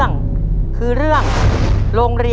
ต้นไม้ประจำจังหวัดระยองการครับ